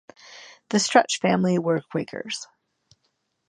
The Stretch family were Quakers.